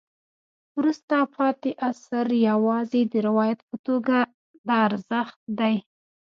وروسته پاتې عصر یوازې د روایت په توګه د ارزښت دی.